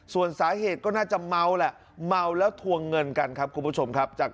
ส่วนสาเหตุก็น่าจะเมาแหละเมาแล้วทวงเงินกันครับคุณผู้ชมครับ